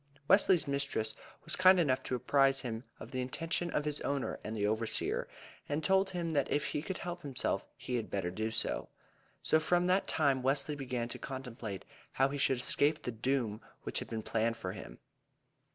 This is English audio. Wesley's mistress was kind enough to apprise him of the intention of his owner and the overseer, and told him that if he could help himself he had better do so. So from that time Wesley began to contemplate how he should escape the doom which had been planned for him.